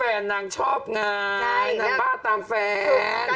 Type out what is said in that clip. นางชอบงานนางบ้าตามแฟน